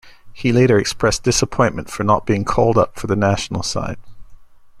He later expressed disappointment for not being called up for the national side.